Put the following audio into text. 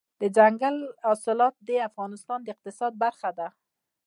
دځنګل حاصلات د افغانستان د اقتصاد برخه ده.